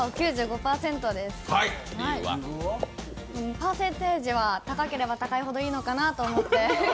パーセンテージは高ければ高いほどいいのかなと思って。